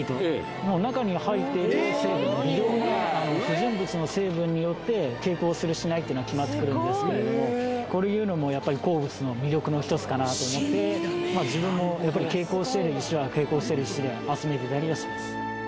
中に入っている成分微量な不純物の成分によって蛍光するしないっていうのは決まってくるんですけれどもこういうのもやっぱりかなと思って自分もやっぱり蛍光している石は蛍光している石で集めていたりはします